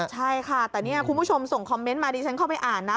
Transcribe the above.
ใช่ค่ะแต่นี่คุณผู้ชมส่งคอมเมนต์มาดิฉันเข้าไปอ่านนะ